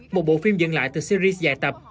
một bộ phim dựng lại từ series dài tập